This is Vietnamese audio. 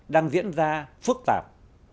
đang diễn ra phức tạp